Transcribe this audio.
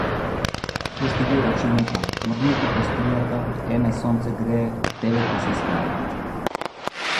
Пушти ги рачињата, мрдни ги прстињата, ене сонце грее, тебе ти се смее.